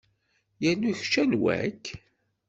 Yernu kečč anwa-k?